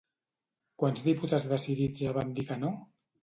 Quants diputats de Syriza van dir que no?